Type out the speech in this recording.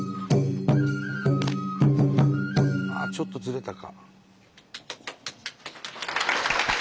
ちょっとずれたか？